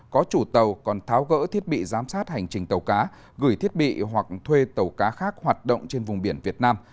có chủ tàu còn tháo gỡ thiết bị giám sát hành trình tàu cá gửi thiết bị hoặc thuê tàu cá khác hoạt động trên vùng biển việt nam